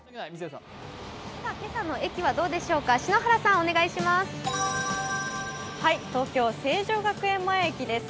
今朝の駅はどうでしょうか、篠原さんお願いします。